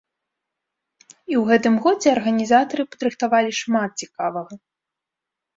І ў гэтым годзе арганізатары падрыхтавалі шмат цікавага.